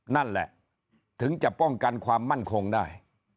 นั่นแหละถึงจะป้องกันความมั่นคงได้